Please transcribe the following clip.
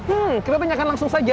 hmm kita tanyakan langsung saja